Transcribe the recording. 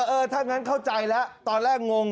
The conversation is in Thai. เออถ้างั้นเข้าใจแล้วตอนแรกงง